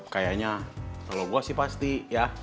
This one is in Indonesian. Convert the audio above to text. kayaknya kalau gue sih pasti ya